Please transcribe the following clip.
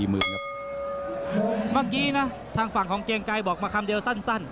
เมื่อกี้นะทางฝั่งของเกียงไกรบอกมาคำเดียวสั้น